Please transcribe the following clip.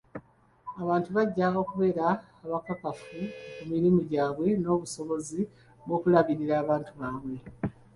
Abantu bajja kubeera bakakafu ku mirimu gyabwe n'obusobozi bw'okulabirira abantu baabwe.